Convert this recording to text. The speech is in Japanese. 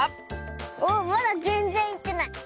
おっまだぜんぜんいってない。